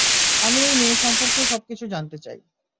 আমি এই মেয়ে সম্পর্কে সবকিছু জানতে চাই।